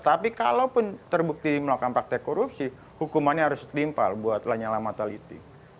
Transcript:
tapi kalau pun terbukti melakukan praktek korupsi hukumannya harus dimpal buat lanyala mataliti